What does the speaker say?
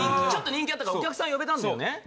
ちょっと人気あったからお客さん呼べたんだよね。